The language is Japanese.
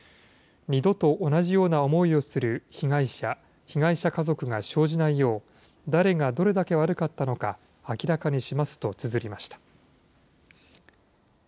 二度と同じような思いをする被害者・被害者家族が生じないよう、誰がどれだけ悪かったのか明らかにしますとつづりました。